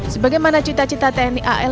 sebagaimana cita cita tni al